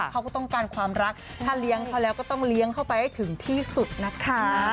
เขาก็ต้องการความรักถ้าเลี้ยงเขาแล้วก็ต้องเลี้ยงเข้าไปให้ถึงที่สุดนะคะ